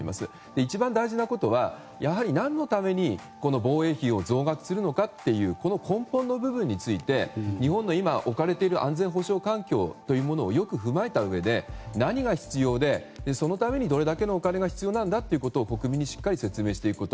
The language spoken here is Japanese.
一番大事なことはやはり、何のために防衛費を増額するのかという根本の部分について日本が置かれている安全保障環境をよく踏まえたうえで何が必要で、そのためにどれだけのお金が必要なんだと国民にしっかり説明していくこと。